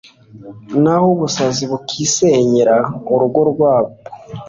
naho ubusazi bukisenyera urugo rwabwo